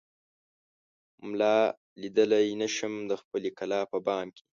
ملا ليدای نه شم دخپلې کلا بام کې